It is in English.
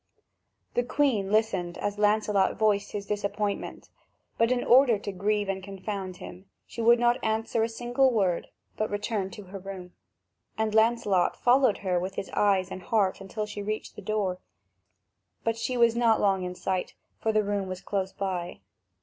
The Queen listened as Lancelot voiced his disappointment, but in order to grieve and confound him, she would not answer a single word, but returned to her room. And Lancelot followed her with his eyes and heart until she reached the door; but she was not long in sight, for the room was close by.